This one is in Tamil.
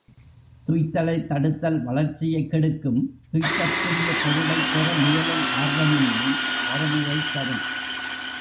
துய்த்தலைத் தடுத்தல் வளர்ச்சியைக் கெடுக்கும் துய்த்தற்குரிய பொருளைப் பெற முயலும் ஆர்வமின்மை, வறுமையைத் தரும்.